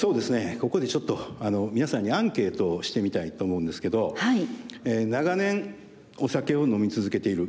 ここでちょっと皆さんにアンケートをしてみたいと思うんですけど長年お酒を飲み続けている。